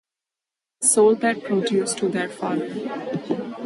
They sold their produce to their father.